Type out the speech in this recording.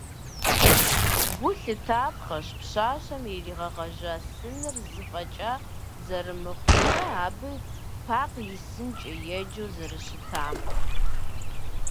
Гу лъытапхъэщ, пщащэм иригъэгъэжа сыныр зы фӏэкӏа зэрымыхъумрэ абы «Пакъ и сынкӏэ» еджэу зэрыщытамрэ.